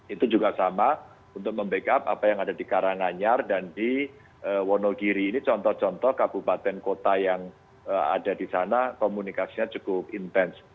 itu juga sama untuk membackup apa yang ada di karanganyar dan di wonogiri ini contoh contoh kabupaten kota yang ada di sana komunikasinya cukup intens